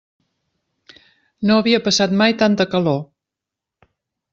No havia passat mai tanta calor.